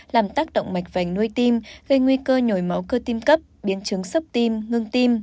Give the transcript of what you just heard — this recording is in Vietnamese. làm tác động mạch vành nuôi tim gây nguy cơ nhồi máu cơ tim cấp biến chứng sốc tim ngưng tim